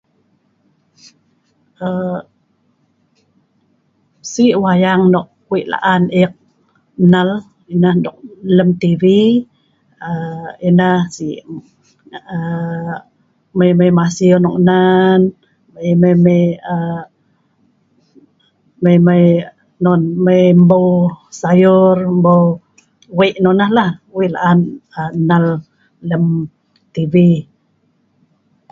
um si' wayang nok wei' laan eek nnal [unintelligible] dong lem TV um ena si' um mai mai masiu nok nan, mai mai um mai mai non mai mbou sayur mbou wei nonoh lah wei laan ek nnal lem TV